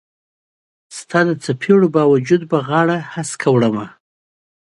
ستا د څیپړو با وجود به غاړه هسکه وړمه